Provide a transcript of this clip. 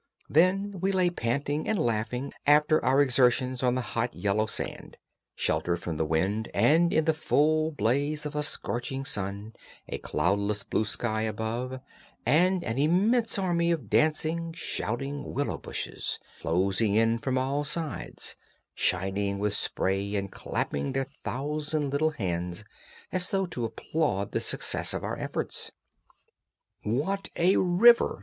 Then we lay panting and laughing after our exertions on the hot yellow sand, sheltered from the wind, and in the full blaze of a scorching sun, a cloudless blue sky above, and an immense army of dancing, shouting willow bushes, closing in from all sides, shining with spray and clapping their thousand little hands as though to applaud the success of our efforts. "What a river!"